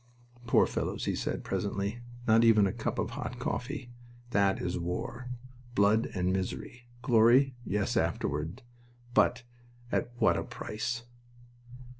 "Poor fellows," he said, presently. "Not even a cup of hot coffee!... That is war! Blood and misery. Glory, yes afterward! But at what a price!"